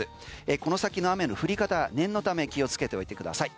この先の雨の降り方、念のため気をつけておいてください。